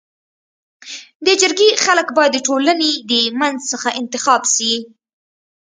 د جرګي خلک بايد د ټولني د منځ څخه انتخاب سي.